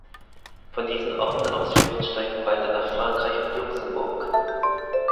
Von diesen Orten aus führen Strecken weiter nach Frankreich und Luxemburg.